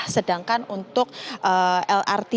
sedangkan untuk lrt